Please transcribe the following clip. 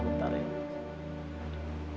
ibu minta ibu mau ngaget